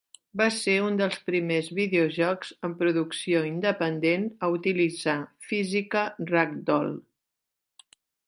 Va ser un dels primers videojocs amb producció independent a utilitzar física ragdoll.